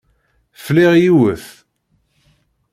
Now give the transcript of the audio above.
Fliɣ yiwet.